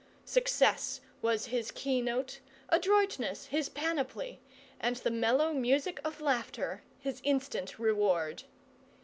Success was his key note, adroitness his panoply, and the mellow music of laughter his instant reward.